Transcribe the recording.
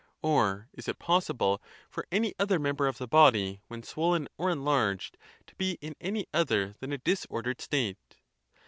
or is it possible for any other member of the body, when swollen or enlarged, to be in any other than a disordered state?